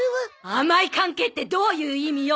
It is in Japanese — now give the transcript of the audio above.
甘い関係ってどういう意味よ！